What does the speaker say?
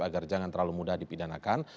agar jangan terlalu mudah dipidanakan